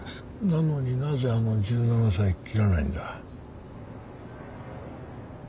なのになぜあの１７才切らないんだ？